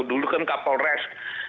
dulu kan kapolres